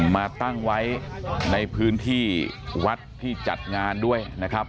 มาตั้งไว้ในพื้นที่วัดที่จัดงานด้วยนะครับ